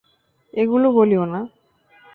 এগুলো বলিও না।